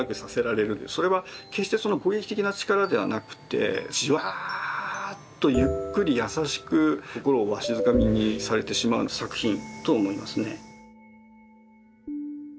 それは決して攻撃的な力ではなくてじわっとゆっくり優しく心をわしづかみにされてしまう作品と思いますね。